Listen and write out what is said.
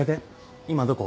今どこ？